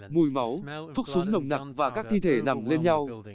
mùi máu thuốc súng nồng nặc và các thi thể nằm lên nhau